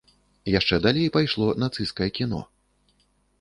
Яшчэ далей пайшло нацысцкае кіно.